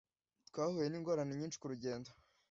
Twahuye ningorane nyinshi kurugendo.